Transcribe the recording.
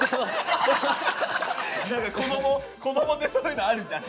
何か子供ってそういうのあるじゃん。